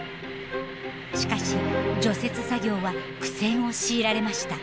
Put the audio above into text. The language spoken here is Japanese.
しかし除雪作業は苦戦を強いられました。